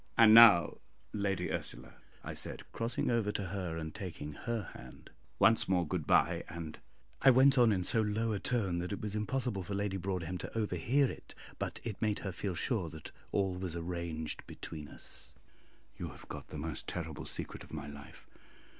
"And now, Lady Ursula," I said, crossing over to her and taking her hand, "once more good bye, and" I went on in so low a tone that it was impossible for Lady Broadhem to overhear it, but it made her feel sure that all was arranged between us "you have got the most terrible secret of my life.